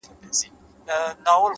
• بل څوک خو بې خوښ سوی نه وي ـ